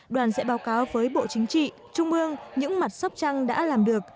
đoàn sẽ báo cáo với bộ chính trị trung ương những mặt sóc trăng đã làm được